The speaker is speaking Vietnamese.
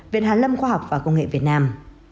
viện hàn lâm khoa học và công nghệ việt nam